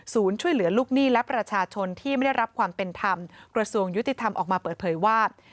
ช่วยเหลือลูกหนี้และประชาชนที่ไม่ได้รับความเป็นธรรมกระทรวงยุติธรรมออกมาเปิดเผยว่า